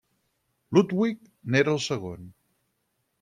Ludwig n'era el segon.